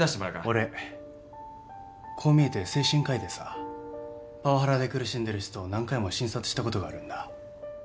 俺こう見えて精神科医でさパワハラで苦しんでる人を何回も診察したことがあるんだ